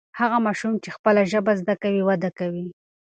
هغه ماشوم چې خپله ژبه زده کوي وده کوي.